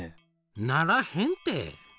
ならへんて！